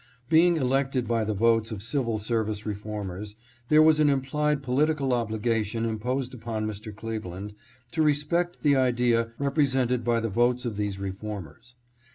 Being elected by the votes of civil service reformers, there was an implied political obliga tion imposed upon Mr. Cleveland to respect the idea represented by the votes of these reformers.